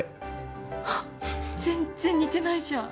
ハッ全然似てないじゃん。